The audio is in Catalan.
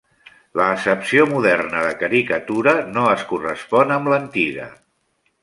L'accepció moderna de caricatura no es correspon amb l'antiga.